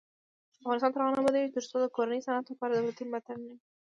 افغانستان تر هغو نه ابادیږي، ترڅو د کورني صنعت لپاره دولتي ملاتړ نه وي.